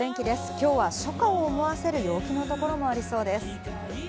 今日は初夏を思わせる陽気なところもありそうです。